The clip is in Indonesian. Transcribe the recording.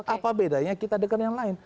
apa bedanya kita dengan yang lain